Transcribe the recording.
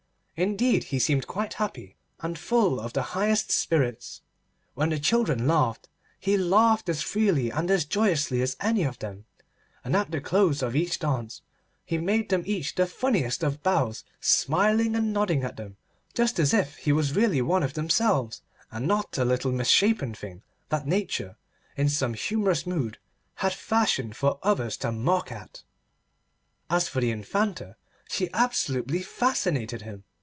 Indeed he seemed quite happy and full of the highest spirits. When the children laughed, he laughed as freely and as joyously as any of them, and at the close of each dance he made them each the funniest of bows, smiling and nodding at them just as if he was really one of themselves, and not a little misshapen thing that Nature, in some humourous mood, had fashioned for others to mock at. As for the Infanta, she absolutely fascinated him.